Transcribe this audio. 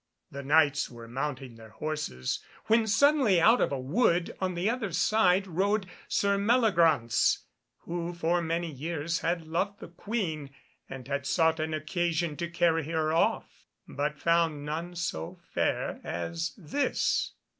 The Knights were mounting their horses, when suddenly out of a wood on the other side rode Sir Meliagraunce, who for many years had loved the Queen, and had sought an occasion to carry her off, but found none so fair as this.